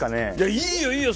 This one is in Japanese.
いいよいいよ